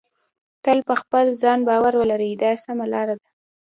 تل په خپل ځان باور ولرئ دا سمه لار ده.